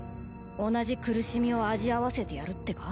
同じ苦しみを味わわせてやるってか？